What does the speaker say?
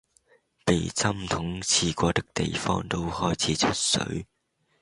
被針筒刺過的地方都開始出水